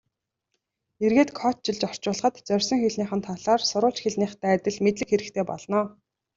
Эргээд кодчилж орчуулахад зорьсон хэлнийх нь талаар сурвалж хэлнийхтэй адил мэдлэг хэрэгтэй болно.